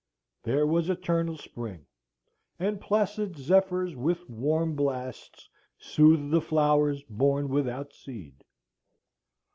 There was eternal spring, and placid zephyrs with warm Blasts soothed the flowers born without seed."